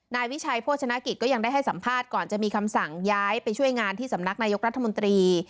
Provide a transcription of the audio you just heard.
นายวิชัยโภชนกิจก็ยังได้ให้สัมภาษณ์ก่อนจะมีคำสั่งย้ายไปช่วยงานที่สำนักนายกรัฐมนตรี